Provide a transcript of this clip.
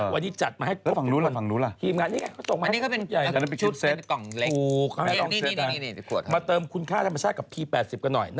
วันนี้จัดมาให้ครบทุกคน